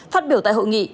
phát biểu tại hội nghị